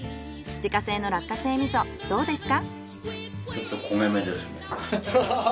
自家製の落花生味噌どうですか？